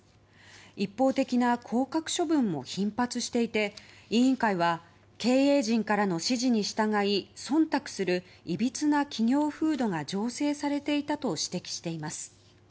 一方的な降格処分も頻発していて委員会は経営陣からの指示に従い忖度するいびつな企業風土が醸成されていたと指摘しています。